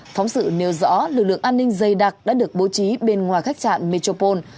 phóng sự nêu rõ lực lượng an ninh dây đặc đã được bố trí bên ngoài khách trạng metropole